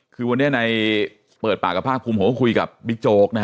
คือวันนี้ในเปิดปากกับภาคภูมิโหคุยกับบิ๊กโจก